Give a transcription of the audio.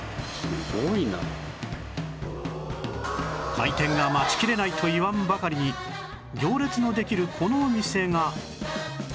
開店が待ちきれないと言わんばかりに行列のできるこのお店が